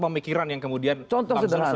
pemikiran yang kemudian bang zul sudah